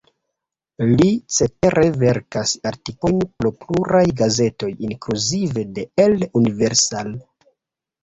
Li cetere verkas artikolojn por pluraj gazetoj, inkluzive de "El Universal".